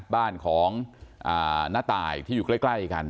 บ้านของน้าตายที่อยู่ใกล้กัน